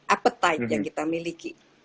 appetite yang kita miliki